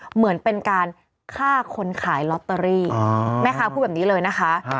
เหมือนเป็นการฆ่าคนขายลอตเตอรี่แม่ค้าพูดแบบนี้เลยนะคะ